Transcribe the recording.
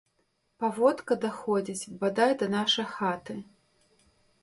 Паводка даходзіць бадай да нашай хаты.